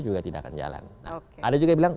juga tidak akan jalan ada juga bilang